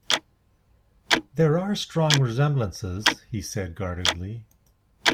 "There are strong resemblances," he said guardedly.